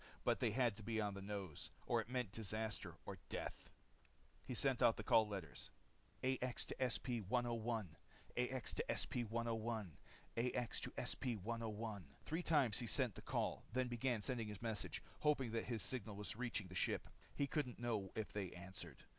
They had to be on the nose, or it meant disaster or death. He sent out the call letters. "AX to SP 101 ... AX to SP 101 ... AX to SP 101 ..." Three times he sent the call, then began sending his message, hoping that his signal was reaching the ship. He couldn't know if they answered.